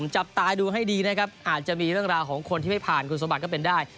จับตาดูให้ดีนะครับอาจจะมีเรื่องราวของคนที่ไม่ผ่านคุณสมบัติก็เป็นได้